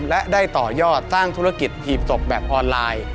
และได้ต่อยอดสร้างธุรกิจหีบศพแบบออนไลน์